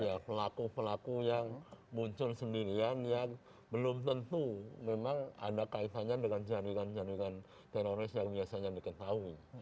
ya pelaku pelaku yang muncul sendirian yang belum tentu memang ada kaitannya dengan jaringan jaringan teroris yang biasanya diketahui